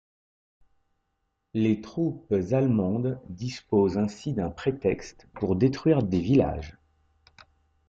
Les troupes allemandes disposent ainsi d'un prétexte pour détruire des villages.